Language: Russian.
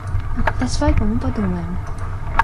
А когда свадьба, мы подумаем.